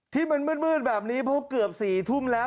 ที่มันมืดแบบนี้เพราะเกือบ๔ทุ่มแล้ว